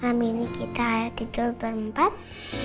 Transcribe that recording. kami ini kita tidur berempat